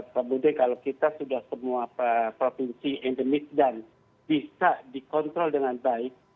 kemudian kalau kita sudah semua provinsi endemis dan bisa dikontrol dengan baik